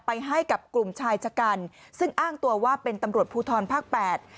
ให้กับกลุ่มชายชะกันซึ่งอ้างตัวว่าเป็นตำรวจภูทรภาคแปด